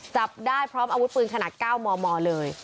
จับได้พร้อมอาวุธปืนขนาด๙มมเลย